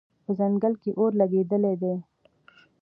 په ځنګل کې اور لګېدلی دی